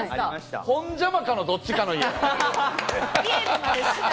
ホンジャマカのどっちかの家。